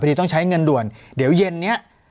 ต้องใช้เงินด่วนเดี๋ยวเย็นนี้